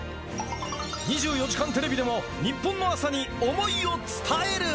２４時間テレビでも、日本の朝に想いを伝える。